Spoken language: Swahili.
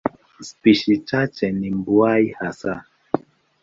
Spishi chache ni mbuai hasa.